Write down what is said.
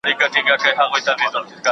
څېړنه د پوهانو دنده ده.